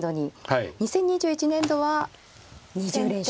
２０２１年度は２０連勝。